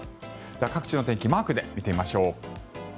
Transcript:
各地の天気マークで見てみましょう。